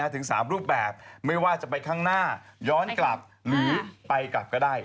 ถึง๓รูปแบบไม่ว่าจะไปข้างหน้าย้อนกลับหรือไปกลับก็ได้